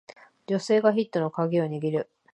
女性がヒットのカギを握る